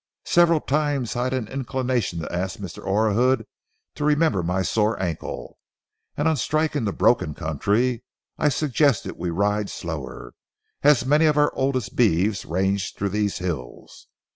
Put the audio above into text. Several times I had an inclination to ask Mr. Orahood to remember my sore ankle, and on striking the broken country I suggested we ride slower, as many of our oldest beeves ranged through these hills.